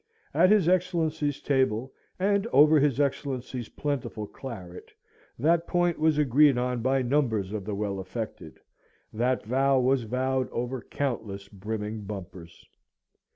At his Excellency's table, and over his Excellency's plentiful claret, that point was agreed on by numbers of the well affected, that vow was vowed over countless brimming bumpers.